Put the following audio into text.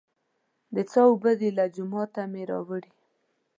د څاه اوبه دي، له جوماته مې راوړې.